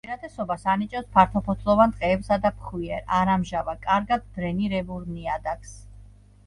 უპირატესობას ანიჭებს ფართოფოთლოვან ტყეებსა და ფხვიერ, არა მჟავა, კარგად დრენირებულ ნიადაგს.